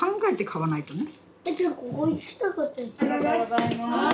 ありがとうございます。